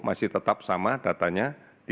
masih tetap sama datanya tiga puluh